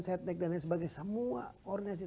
setnek dan lain sebagainya semua koordinasi